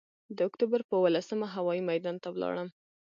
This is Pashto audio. د اکتوبر پر اوولسمه هوايي میدان ته ولاړم.